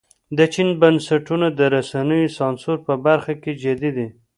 د چین بنسټونه د رسنیو سانسور په برخه کې جدي دي.